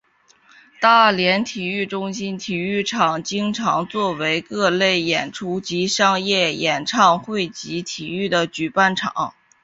大连体育中心体育场经常作为各类演出及商业演唱会及体育的举办场地。